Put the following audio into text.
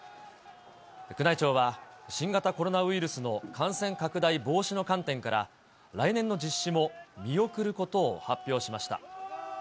宮内庁は、新型コロナウイルスの感染拡大防止の観点から、来年の実施も見送ることを発表しました。